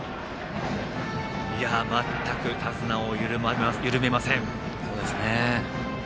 全く手綱を緩めません。